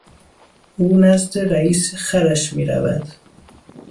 او نزد رئیس خرش میرود.